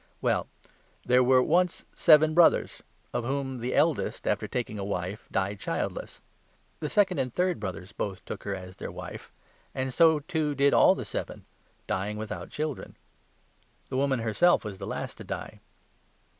Well, there were once seven brothers ; of whom the eldest, 29 after taking a wife, died childless. The second and third 30 brothers both took her as their wife ; and so, too, did all seven 31 — dying without children. The woman herself was the last 32 to die.